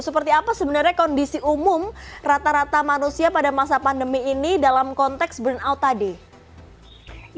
seperti apa sebenarnya kondisi umum rata rata manusia pada masa pandemi ini dalam konteks burnout tadi